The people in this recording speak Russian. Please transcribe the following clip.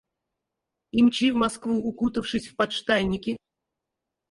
И мчи в Москву, укутавшись в подштанники.